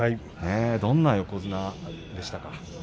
どんな横綱でしたか。